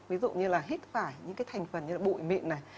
ví dụ như là hít phải những cái thành phần như là bụi mịn này